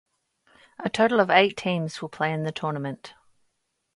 A total of eight teams will play in the tournament.